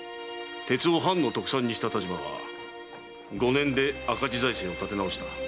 鉄を藩の特産にした但馬は五年で赤字財政を建て直した。